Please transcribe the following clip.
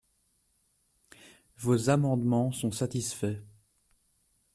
Vos amendements sont satisfaits.